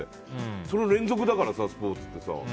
その連続だからさ、スポーツって。